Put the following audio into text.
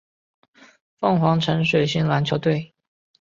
凤凰城水星篮球队。